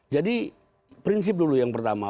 jadi prinsip dulu yang pertama